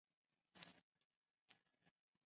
过度换气综合症是晕眩症十分常见的诱因。